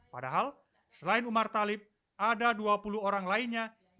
padahal selain umar talib ada dua puluh orang lainnya yang dimakamkan dengan sikap kematian